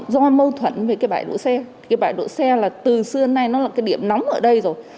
do mâu thuẫn về cái bãi đỗ xe cái bãi đỗ xe là từ xưa nay nó là cái điểm nóng ở đây rồi